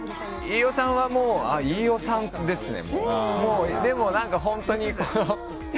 飯尾さんはもう飯尾さんですね。